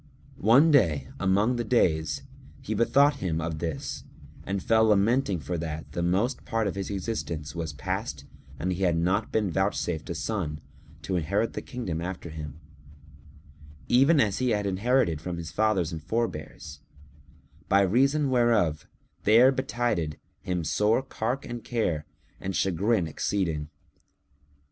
One day, among the days, he bethought him of this and fell lamenting for that the most part of his existence was past and he had not been vouchsafed a son, to inherit the kingdom after him, even as he had inherited it from his fathers and forebears; by reason whereof there betided him sore cark and care and chagrin exceeding.